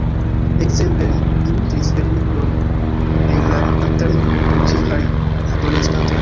Ekzemple li ilustris lernolibron de la franca lingvo por ĉeĥaj adoleskantoj.